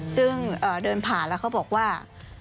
ซึ่งเดินผ่านก็บอกว่า